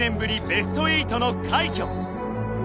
ベスト８の快挙。